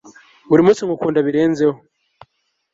buri munsi nkukunda birenzeho